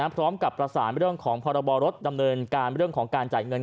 พร้อมกับประสานเรื่องของพรบรถดำเนินการเรื่องของการจ่ายเงิน